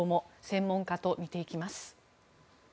専門家と見ていきます。